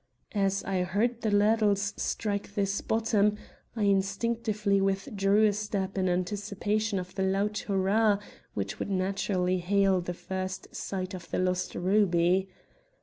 As I heard the ladles strike this bottom, I instinctively withdrew a step in anticipation of the loud hurrah which would naturally hail the first sight of the lost ruby.